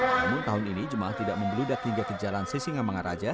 namun tahun ini jemaah tidak membeludak hingga ke jalan sisingamangaraja